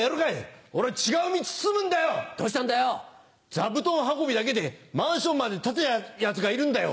座布団運びだけでマンションまで建てや奴がいるんだよ。